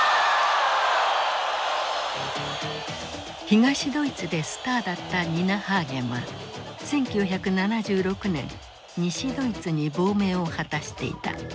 東ドイツでスターだったニナ・ハーゲンは１９７６年西ドイツに亡命を果たしていた。